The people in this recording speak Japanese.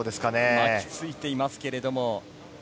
巻ついていますけれども。